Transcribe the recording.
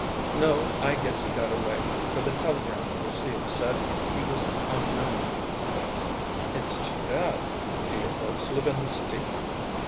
"No; I guess he got away, for the telegram I received said he was unknown." "It's too bad. Do your folks live in the city?"